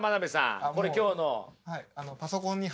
これ今日の。